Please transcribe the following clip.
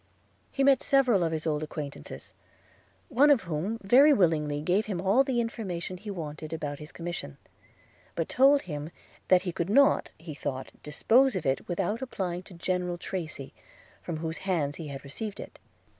He met several of his old acquaintances; one of whom very willingly gave him all the information he wanted about his commission; but told him that he could not, he thought, dispose of it without applying to General Tracy, from whose hands he had received it.